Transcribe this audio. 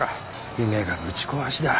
夢がぶち壊しだ。